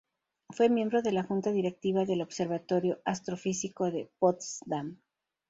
Fue miembro de la junta directiva del Observatorio Astrofísico de Potsdam.